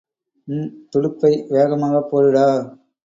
ம்... துடுப்பை வேகமாகப் போடுடா!